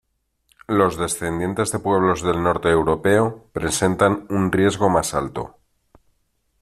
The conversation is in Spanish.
Los descendientes de pueblos del norte europeo presentan un riesgo más alto.